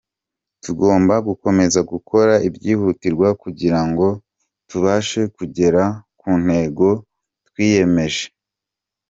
Tugomba gukomeza gukora ibyihutirwa kugira ngo tubashe kugera ku ntego twiyemeje.